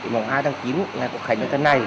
mùng hai tháng chín ngày của khánh đất thân này